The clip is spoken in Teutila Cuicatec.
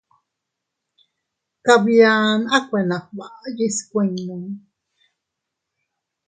Kabia a kuena gbaʼa yiʼi skuinnu.